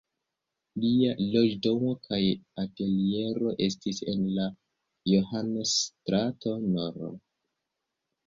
Lia loĝdomo kaj ateliero estis en la Johannes-strato nr.